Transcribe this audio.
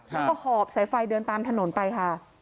แล้วก็หอบสายไฟเดินตามถนนไปค่ะ